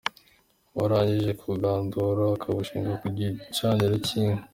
Uwo arangije kugandura akawushinga ku gicaniro cy’inka.